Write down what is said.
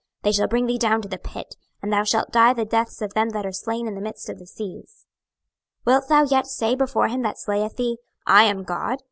26:028:008 They shall bring thee down to the pit, and thou shalt die the deaths of them that are slain in the midst of the seas. 26:028:009 Wilt thou yet say before him that slayeth thee, I am God?